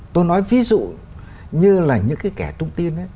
tôi nói ví dụ như là những cái kẻ tung tin ấy